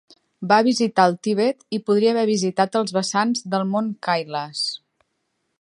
Va visitar el Tibet i podria haver visitat els vessants del mont Kailas.